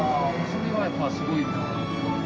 それはやっぱすごいなぁと。